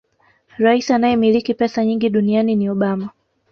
Rais anayemiliki pesa nyingi duniani ni Obama